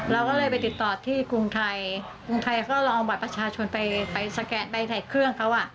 เราก็เลยไปติดตอบที่กรุงไทยกรุงไทยเขาก็ลองบอกประชาชนไปสแกนใบไถเครื่องเขาอ่ะ